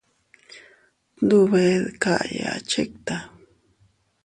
Tndube dkaya chikta.